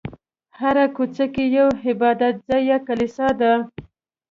هره کوڅه کې یو عبادت ځای یا کلیسا ده.